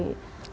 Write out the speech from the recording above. jangan sampai di